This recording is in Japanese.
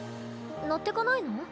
乗ってかないの？